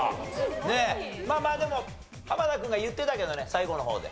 まあまあでも濱田君が言ってたけどね最後の方で。